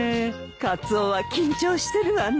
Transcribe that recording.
カツオは緊張してるわね。